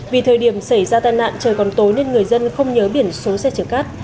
vì thời điểm xảy ra tai nạn trời còn tối nên người dân không nhớ biển số xe chở cắt